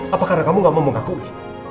apa karena kamu gak mau mengkakunya